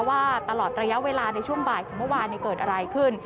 ว่าตลอดระยะเวลาในช่วงบ่ายของเมื่อวานเกิดอะไรขึ้น